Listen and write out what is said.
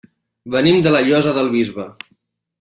Venim de la Llosa del Bisbe.